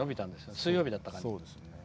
水曜日だったから。